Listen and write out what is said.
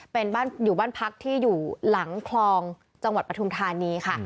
เป็นอยู่บ้านพักที่อยู่หลังคลองจังหวัดปฐุมธานีค่ะ